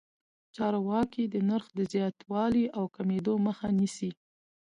چارواکي د نرخ د زیاتوالي او کمېدو مخه نیسي.